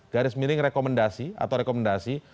garis miring rekomendasi atau rekomendasi